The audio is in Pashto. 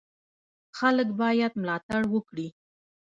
خلک باید ملاتړ وکړي.